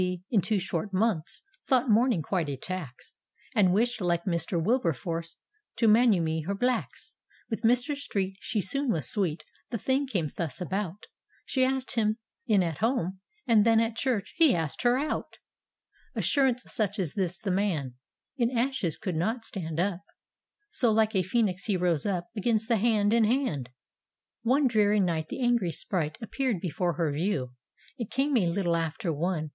in two short months Thought mouming quite a tax; And wished, like Mr, Wilberforcc, To manumit hei blacks. With Mr. Street she soon was sweet; T^e thing came dius about: She asked him in at home, and then At church, he asked her out I Assurance such as diis the man In ashes could not stand; So like a Phoenix he rose up Against the Hand in Hand I One dreary night die angry sprite Appeared before her view; It came a little after one.